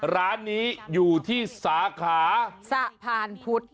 ร้านนี้อยู่ที่สาขาสะพานพุทธ